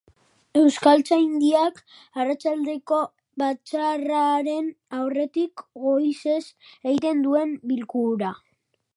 Euskaltzaindiak, arratsaldeko batzarraren aurretik, goizez egiten duen bilkuran.